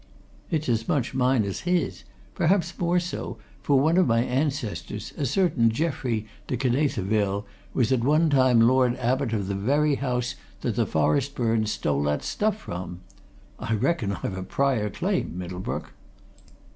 It's as much mine as his perhaps more so, for one of my ancestors, a certain Geoffrey de Knaytheville, was at one time Lord Abbot of the very house that the Forestburnes stole that stuff from! I reckon I've a prior claim, Middlebrook?"